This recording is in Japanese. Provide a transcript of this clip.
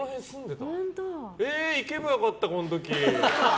えー、行けばよかった、この時！